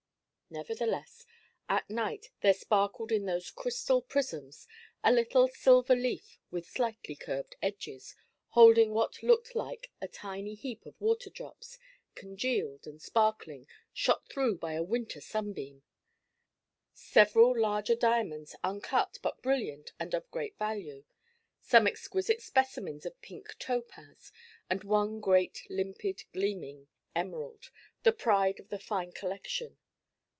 Nevertheless, at night there sparkled in those crystal prisms a little silver leaf with slightly curved edges, holding what looked like a tiny heap of water drops, congealed and sparkling, shot through by a winter sunbeam; several larger diamonds, uncut, but brilliant and of great value; some exquisite specimens of pink topaz, and one great limpid, gleaming emerald, the pride of the fine collection.